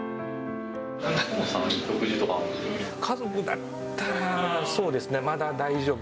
ともさん、家族だったら、そうですね、まだ大丈夫。